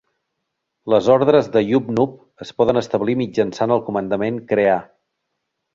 Les ordres de YubNub es poden establir mitjançant el comandament crear.